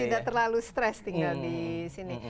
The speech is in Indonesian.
tidak terlalu stres tinggal di sini